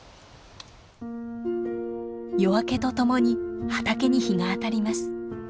夜明けとともに畑に日が当たります。